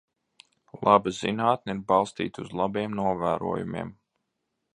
Laba zinātne ir balstīta uz labiem novērojumiem.